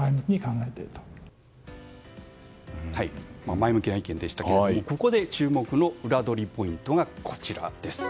前向きな意見でしたけどもここで注目のウラどりポイントがこちらです。